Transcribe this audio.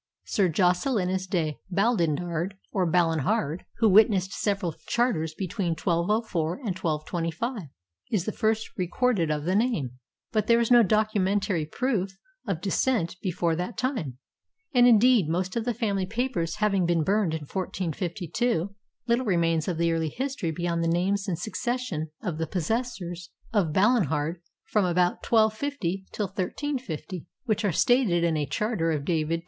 Sir Jocelynus de Baldendard, or Balinhard, who witnessed several charters between 1204 and 1225, is the first recorded of the name, but there is no documentary proof of descent before that time; and, indeed, most of the family papers having been burned in 1452, little remains of the early history beyond the names and succession of the possessors of Balinhard from about 1250 till 1350, which are stated in a charter of David II.